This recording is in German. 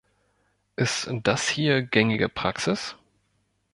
Ist das hier gängige Praxis?